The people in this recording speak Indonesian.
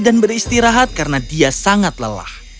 dan berhenti dan beristirahat karena dia sangat lelah